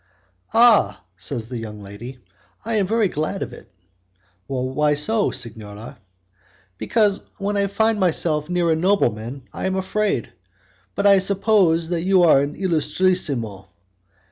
"Ah!" says the young lady, "I am very glad of it." "Why so, signora?" "Because when I find myself near a nobleman I am afraid. But I suppose that you are an illustrissimo."